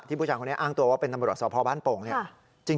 ที่พวกจังคนนี้อ้างตัวว่าเป็นตำรวจสพบ้านโป่ง